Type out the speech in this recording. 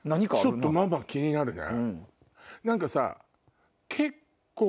ちょっとママ気になるね。